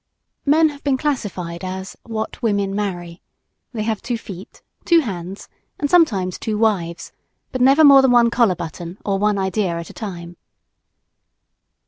Men have been classified as "what women marry." They have two feet, two hands and sometimes two wives but never more than one collar button or one idea at a time.